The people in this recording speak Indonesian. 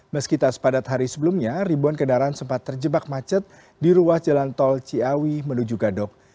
meski tak sepadat hari sebelumnya ribuan kendaraan sempat terjebak macet di ruas jalan tol ciawi menuju gadok